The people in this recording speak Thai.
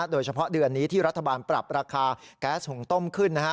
โดยเฉพาะเดือนนี้ที่รัฐบาลปรับราคาแก๊สหุงต้มขึ้น